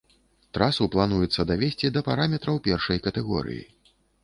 Трасу плануецца давесці да параметраў першай катэгорыі.